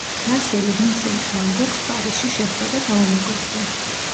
რასელი ვინსენტ ვან გოგს პარიზში შეხვდა და დაუმეგობრდა.